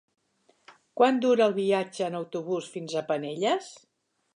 Quant dura el viatge en autobús fins a Penelles?